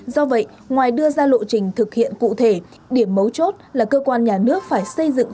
do vậy ngoài đưa ra lộ trình thực hiện cụ thể điểm mấu chốt là cơ quan nhà nước phải xây dựng